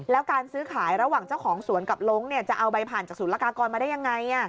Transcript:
แล้วการซื้อขายระหว่างเจ้าของสวนกับล้งจะเอาใบผ่านจากศูนย์ละกากรมาได้ยังไง